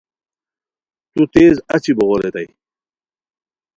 تو تیز اچی بوغے ریتائے